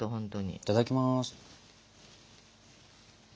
いただきます。